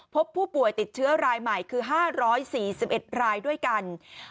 พบผู้ป่วยติดเชื้อรายใหม่คือ๕๔๑รายด้วยกัน